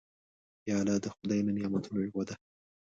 پیاله د خدای له نعمتونو یوه ده.